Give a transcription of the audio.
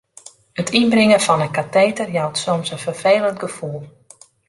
It ynbringen fan it kateter jout soms in ferfelend gefoel.